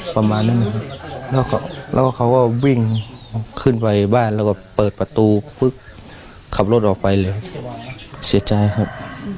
กังวลเรื่องความปลอดภัยไหมครับ